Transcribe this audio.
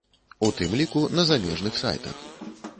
У тым ліку на замежных сайтах.